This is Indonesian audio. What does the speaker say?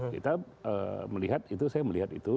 kita melihat itu saya melihat itu